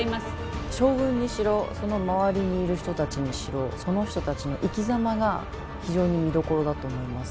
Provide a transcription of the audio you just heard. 将軍にしろその周りにいる人たちにしろその人たちの生きざまが非常に見どころだと思います。